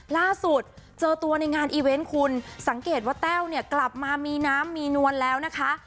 ล่าสุดเจอตัวในงานอีเวนต์คุณสังเกตว่าแต้วเนี่ยกลับมามีน้ำมีนวลแล้วนะคะ